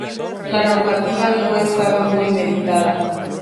La normativa no estaba muy meditada.